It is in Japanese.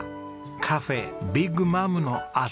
カフェビッグマムの朝。